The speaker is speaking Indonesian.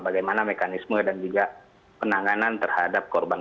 bagaimana mekanisme dan juga penanganan terhadap korban